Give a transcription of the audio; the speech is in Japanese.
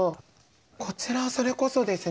こちらそれこそですね